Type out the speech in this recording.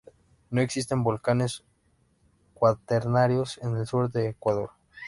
No existen volcanes cuaternarios en el sur del Ecuador.